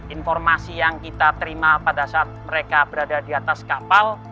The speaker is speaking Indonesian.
informasi yang kita terima pada saat mereka berada di atas kapal